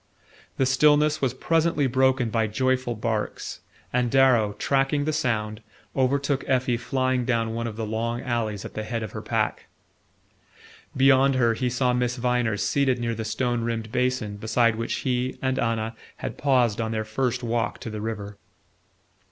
The stillness was presently broken by joyful barks, and Darrow, tracking the sound, overtook Effie flying down one of the long alleys at the head of her pack. Beyond her he saw Miss Viner seated near the stone rimmed basin beside which he and Anna had paused on their first walk to the river.